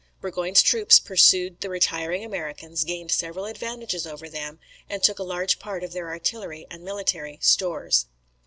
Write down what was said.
Burgoyne's troops pursued the retiring Americans, gained several advantages over them, and took a large part of their artillery and military stores.